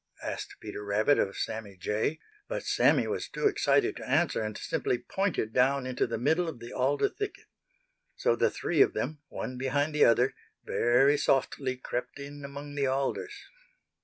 asked Peter Rabbit of Sammy Jay, but Sammy was too excited to answer and simply pointed down into the middle of the alder thicket. So the three of them, one behind the other, very softly crept in among the alders.